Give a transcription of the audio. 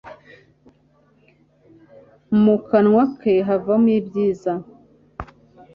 Mu kanwa ke havamo ibyiza